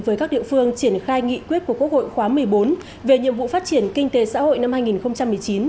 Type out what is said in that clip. với các địa phương triển khai nghị quyết của quốc hội khóa một mươi bốn về nhiệm vụ phát triển kinh tế xã hội năm hai nghìn một mươi chín